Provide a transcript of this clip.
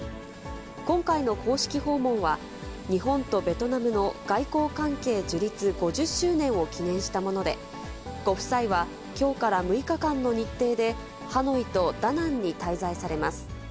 今回の公式訪問は、日本とベトナムの外交関係樹立５０周年を記念したもので、ご夫妻はきょうから６日間の日程で、ハノイとダナンに滞在されます。